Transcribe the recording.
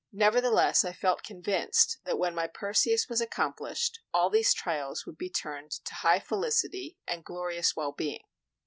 Nevertheless I felt convinced that when my Perseus was accomplished, all these trials would be turned to high felicity and glorious well being.